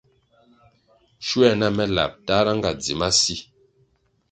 Schuer na me lab tahra nga dzi masi.